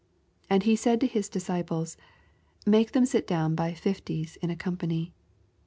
And he said to his disciples, Make them sit down by fifties in a company.